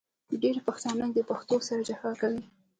ډېری پښتانه د پښتو سره جفا کوي .